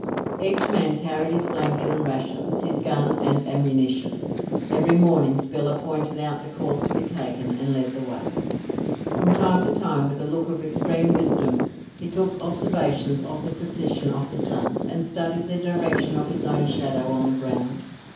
Each man carried his blanket and rations, his gun and ammunition. Every morning Spiller pointed out the course to be taken and led the way. From time to time, with a look of extreme wisdom, he took observations of the position of the sun, and studied the direction of his own shadow on the ground.